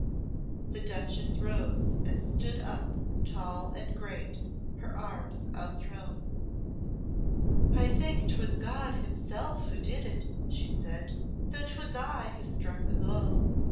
The duchess rose, and stood up tall and great, her arms out thrown. "I think 'twas God Himself who did it," she said, "though 'twas I who struck the blow.